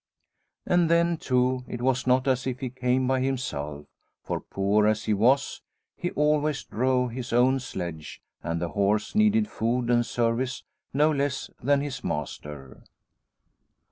And then, too, it was not as if he came by himself, for poor as he was, he always drove his own sledge, and the horse needed food and service no less than his master.